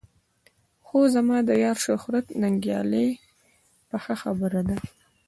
خو زما د یار شهرت ننګیال پخه خبره ده.